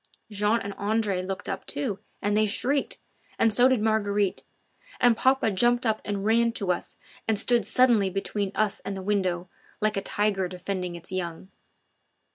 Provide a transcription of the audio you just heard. Jean and Andre looked up, too, and they shrieked, and so did Marguerite, and papa jumped up and ran to us and stood suddenly between us and the window like a tiger defending its young.